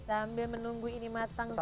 sambil menunggu ini matang